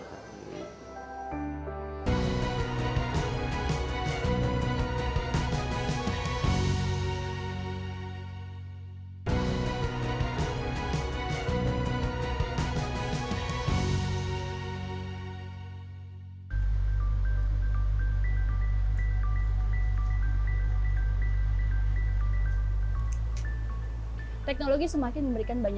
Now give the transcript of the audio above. ketika tidak ada perubahan